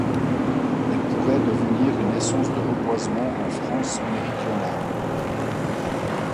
Elle pourrait devenir une essence de reboisement en France méridionale.